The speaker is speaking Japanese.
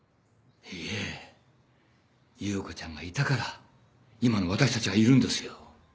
いえ優子ちゃんがいたから今の私たちがいるんですよ。